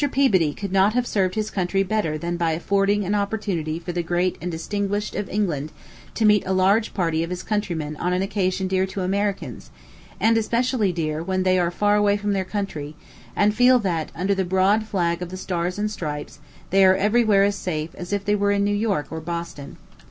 Peabody could not have served his country better than by affording an opportunity for the great and distinguished of England to meet a large party of his countrymen on an occasion dear to Americans, and especially dear when they are far away from their country, and feel that, under the broad flag of the stars and stripes they are every where as safe as if they were in New York or Boston.